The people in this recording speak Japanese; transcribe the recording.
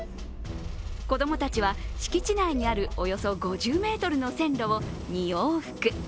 子供たちは敷地内にある、およそ５０ｍの線路を２往復。